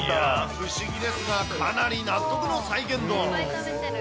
不思議ですな、かなり納得の再現度。